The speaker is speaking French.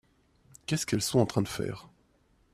Qu'est-ce qu'elles sont en train de faire ?